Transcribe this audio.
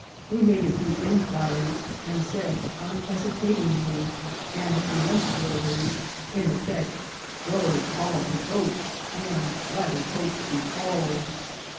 We made a few inquiries, and said, unhesitatingly and peremptorily, in effect, " Go call a coach, and let a coach be called."